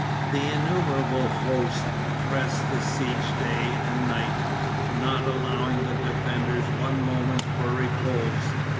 The innumerable host pressed the siege day and night, not allowing the defenders one moment for repose.